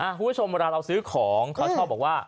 คุณผู้ชมเวลาเราน่าจะซื้อของเขาชอบบอกว่า